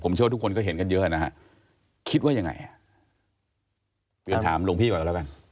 เชื่อว่าทุกคนก็เห็นกันเยอะนะฮะคิดว่ายังไงเตือนถามหลวงพี่ก่อนก็แล้วกัน